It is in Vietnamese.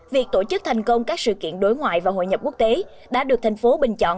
việc tổ chức thành công các sự kiện đối ngoại và hội nhập quốc tế đã được thành phố bình chọn